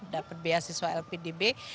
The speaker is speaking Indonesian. dapat beasiswa lpdb